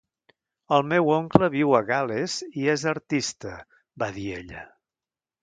"El meu oncle viu a Gal·les i és artista", va dir ella.